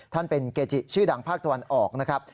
ท่านเป็นเกจิชื่อดังภาคตะวันออกนะครับ